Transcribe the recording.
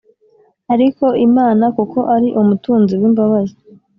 Ariko imana kuko ari umutunzi w imbabazi